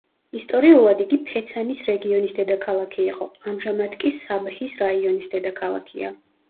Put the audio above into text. ისტორიულად იგი ფეცანის რეგიონის დედაქალაქი იყო, ამჟამად კი საბჰის რაიონის დედაქალაქია.